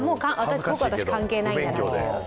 私、関係ないって。